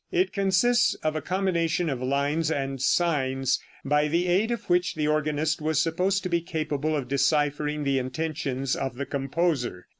It consists of a combination of lines and signs, by the aid of which the organist was supposed to be capable of deciphering the intentions of the composer.